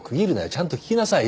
ちゃんと聞きなさい。